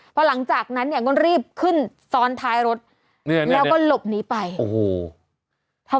เพราะหลังจากนั้นก็รีบขึ้นซ้อนท้ายรถแล้วก็หลบนี้ไป